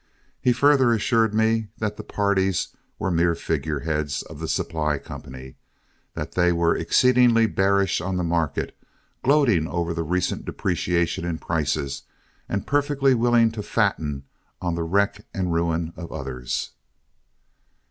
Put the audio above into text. He further assured me that the parties were mere figureheads of The Supply Company; that they were exceedingly bearish on the market, gloating over the recent depreciation in prices, and perfectly willing to fatten on the wreck and ruin of others.